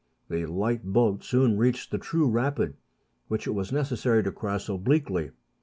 The light boat soon reached the true rapid, which it was necessary to cross obliquely.